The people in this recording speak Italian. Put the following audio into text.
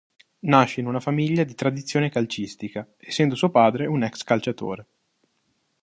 Nasce in una famiglia di tradizione calcistica, essendo suo padre un ex-calciatore.